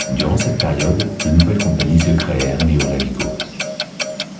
Durant cette période, de nouvelles compagnies se créèrent mais eurent la vie courte.